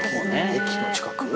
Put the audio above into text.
駅の近く？